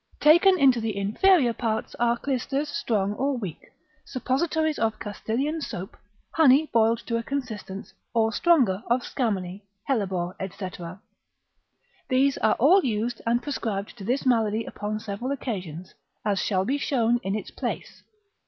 Taken into the inferior parts are clysters strong or weak, suppositories of Castilian soap, honey boiled to a consistence; or stronger of scammony, hellebore, &c. These are all used, and prescribed to this malady upon several occasions, as shall be shown in its place.